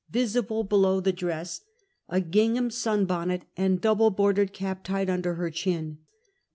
visible below the dress, a gingham sunbonnet and double bordered cap tied under her chin.